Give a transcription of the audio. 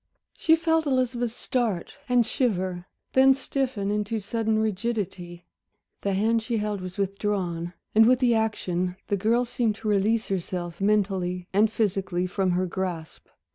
She felt Elizabeth start and shiver; then stiffen into sudden rigidity. The hand she held was withdrawn, and with the action the girl seemed to release herself, mentally and physically, from her grasp.